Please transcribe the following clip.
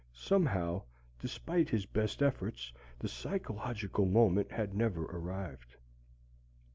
Somehow, despite his best efforts, the psychological moment had never arrived.